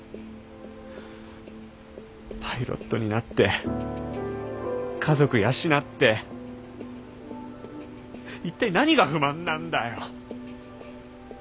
パイロットになって家族養って一体何が不満なんだよ。